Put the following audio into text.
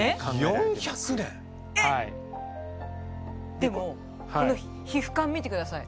でもこの皮膚感見てください。